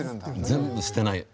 全部捨てない。